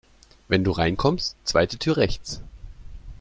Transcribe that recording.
Wenn du reinkommst, zweite Tür rechts.